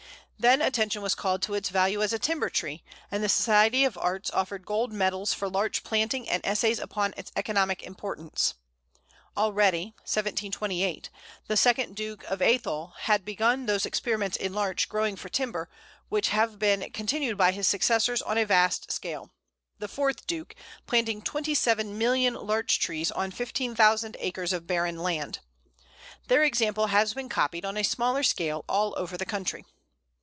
Then attention was called to its value as a timber tree, and the Society of Arts offered gold medals for Larch planting and essays upon its economic importance. Already (1728) the second Duke of Atholl had begun those experiments in Larch growing for timber which have been continued by his successors on a vast scale, the fourth Duke planting 27,000,000 Larch trees on 15,000 acres of barren land. Their example has been copied on a smaller scale all over the country.